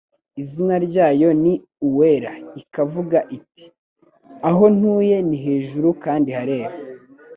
izina ryayo ni Uwera ikavuga iti ‘Aho ntuye ni hejuru kandi harera.